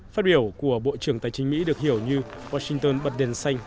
phát biểu của bộ trưởng tài chính mỹ được hiểu như washington bật đèn xanh